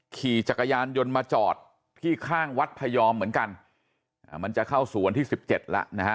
ขี่จักรยานยนต์มาจอดที่ข้างวัดพยอมเหมือนกันมันจะเข้าสู่วันที่สิบเจ็ดแล้วนะฮะ